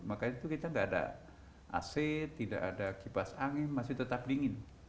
maka itu kita tidak ada ac tidak ada kipas angin masih tetap dingin